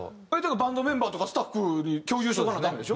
バンドメンバーとかスタッフに共有しとかなダメでしょ？